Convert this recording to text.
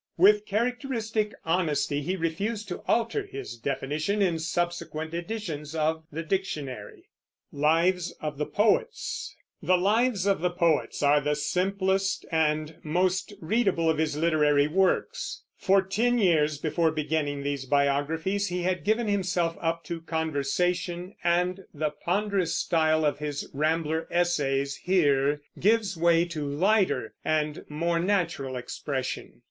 With characteristic honesty he refused to alter his definition in subsequent editions of the Dictionary. The Lives of the Poets are the simplest and most readable of his literary works. For ten years before beginning these biographies he had given himself up to conversation, and the ponderous style of his Rambler essays here gives way to a lighter and more natural expression.